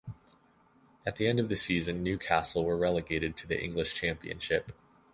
At the end of the season, Newcastle were relegated to the English Championship.